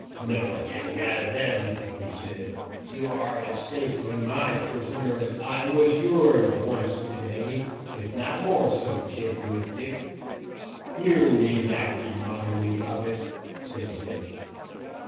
"No getting out of them," he said. "You are as safely my prisoner as I was yours once to day, if not more so, Deadwood Dick." "You need not remind me of it," said Dick.